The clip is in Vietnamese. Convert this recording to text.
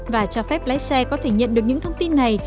và cho phép lái xe có thể nhận được những thông tin này